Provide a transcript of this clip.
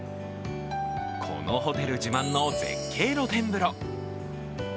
このホテル自慢の絶景露天風呂。